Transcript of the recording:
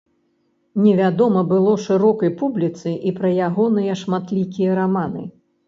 Невядома было шырокай публіцы і пра ягоныя шматлікія раманы.